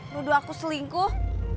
nuduh aku selingkuh